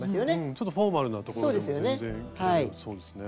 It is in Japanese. ちょっとフォーマルなところでも全然着られそうですね。